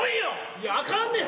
いやあかんねん。